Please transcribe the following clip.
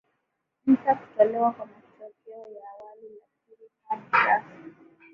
nza kutolewa kwa matokeo ya awali lakini hadi sasa